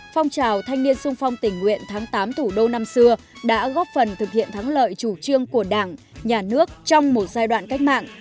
phong trào thanh niên sung phong tình nguyện tháng tám thủ đô năm xưa đã góp phần thực hiện thắng lợi chủ trương của đảng nhà nước trong một giai đoạn cách mạng